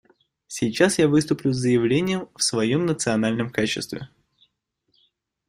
Сейчас я выступлю с заявлением в своем национальном качестве.